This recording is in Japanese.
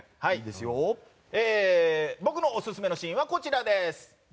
僕のオススメのシーンはこちらです。